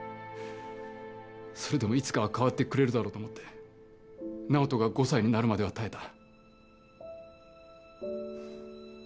それでもいつかは変わってくれるだろうと思って直人が５歳になるまでは耐えた。